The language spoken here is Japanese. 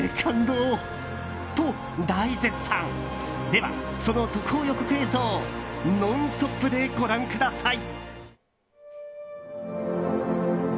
では、その特報予告映像ノンストップでご覧ください。